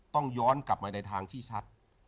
ต้องย้อนกลับมาในทางที่ชัด